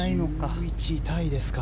１１位タイですか。